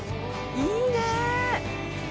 いいね！